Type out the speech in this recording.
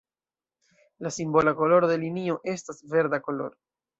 La simbola koloro de linio estas verda koloro.